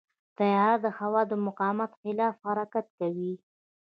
طیاره د هوا د مقاومت خلاف حرکت کوي.